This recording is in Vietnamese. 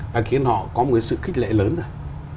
đã khiến họ có một cái sự khích lệ lớn rồi